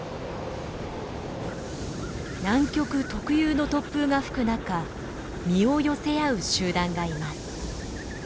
南極特有の突風が吹く中身を寄せ合う集団がいます。